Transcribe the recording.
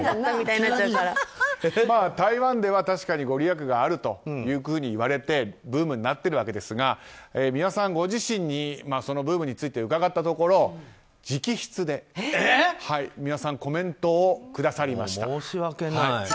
台湾では確かにご利益があるといわれてブームになってるわけですが美輪さんご自身にそのブームについて伺ったところ直筆で、美輪さんコメントをくださりました。